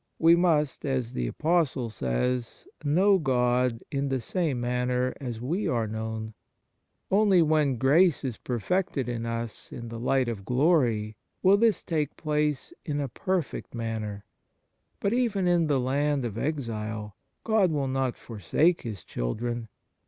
We must, as the Apostle says, know God in the same manner as we are known. Only when grace is perfected in us in the light of glory will this take place in a perfect manner; but even in the land of exile God will not forsake His children.